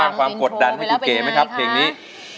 ความกดดันให้คุณเก๋ไหมครับเพลงนี้